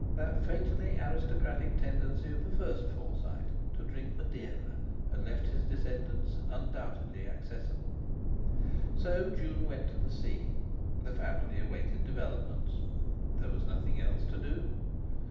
That fatally aristocratic tendency of the first Forsyte to drink Madeira had left his descendants undoubtedly accessible. So June went to the sea. The family awaited developments; there was nothing else to do.